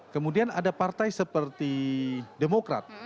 kemudian ada partai seperti demokrat